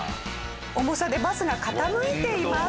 重さでバスが傾いています。